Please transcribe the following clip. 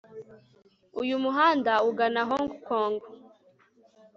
Uyu muhanda ugana Hong Kong